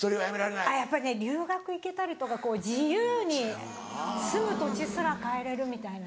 やっぱりね留学行けたりとかこう自由に住む土地すら変えれるみたいな。